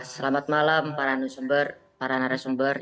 selamat malam para narasumber